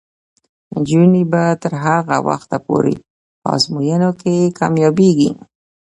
نجونې به تر هغه وخته پورې په ازموینو کې کامیابیږي.